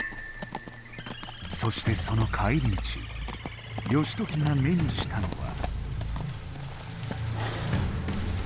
そしてその帰り道義時が目にしたのは。